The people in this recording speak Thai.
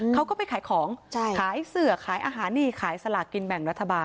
เขาก็ไปขายของขายเสือขายอาหารนี่ขายสลากกินแบ่งรัฐบาล